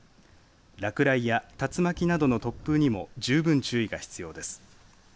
落雷や竜巻などの突風にも十分注意が必要です。